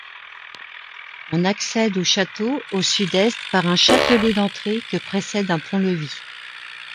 On accède au château au sud-est par un châtelet d'entrée que précède un pont-levis.